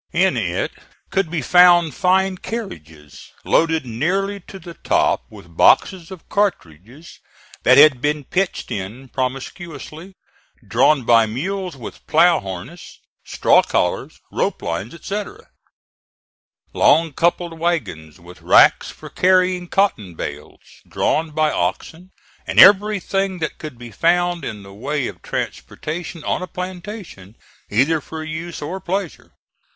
In it could be found fine carriages, loaded nearly to the top with boxes of cartridges that had been pitched in promiscuously, drawn by mules with plough, harness, straw collars, rope lines, etc.; long coupled wagons, with racks for carrying cotton bales, drawn by oxen, and everything that could be found in the way of transportation on a plantation, either for use or pleasure.